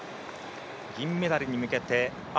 銀メダルに向けて。